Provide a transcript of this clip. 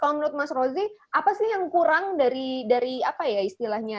kalau menurut mas rozi apa sih yang kurang dari apa ya istilahnya